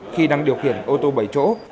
khi đang điều khiển ô tô bảy chỗ